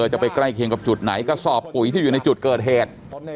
จะไปใกล้เคียงกับจุดไหนกระสอบปุ๋ยที่อยู่ในจุดเกิดเหตุ